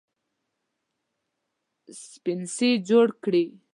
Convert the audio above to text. سپڼسي جوړ کړي